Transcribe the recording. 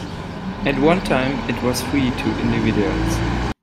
At one time it was free to individuals.